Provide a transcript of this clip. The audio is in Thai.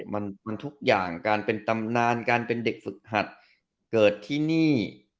มันทุกอย่างการเป็นตำนานการเป็นเด็กฝึกหัดเกิดที่นี่